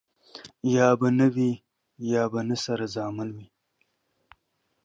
يا به نه وي ،يا به نه سره زامن وي.